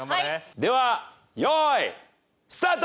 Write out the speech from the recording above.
では用意スタート！